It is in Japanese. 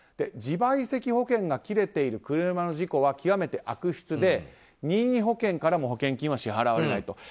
自賠責保険が切れている車の事故は極めて悪質で任意保険からも保険金は支払われないと。